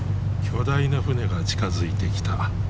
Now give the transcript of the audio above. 巨大な船が近づいてきた。